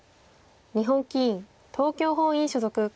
日本棋院東京本院所属。